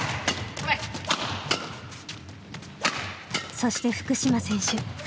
そして福島選手。